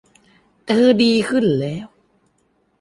เธอดีขึ้นแล้ว